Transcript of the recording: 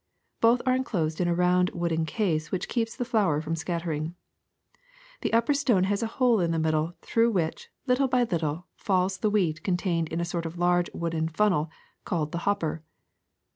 Both are enclosed in a round wooden case which keeps the flour from scattering. The upper stone has a hole in the middle, through which, little by little, falls the wheat contained in a sort of large wooden funnel called the hopper.